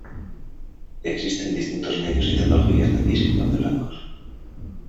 Existen distintos medios y tecnologías de adquisición de blancos.